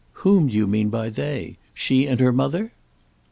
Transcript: "Whom do you mean by 'they'? She and her mother?"